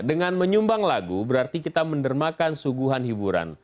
dengan menyumbang lagu berarti kita mendermakan suguhan hiburan